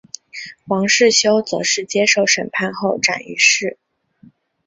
王世修则是接受审判后斩于市。